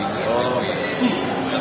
di tengah jadwal yang padat